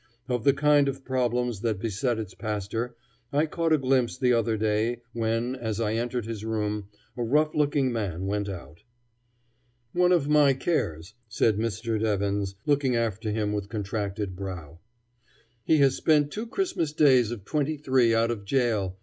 Of the kind of problems that beset its pastor I caught a glimpse the other day, when, as I entered his room, a rough looking man went out. "One of my cares," said Mr. Devins, looking after him with contracted brow. "He has spent two Christmas days of twenty three out of jail.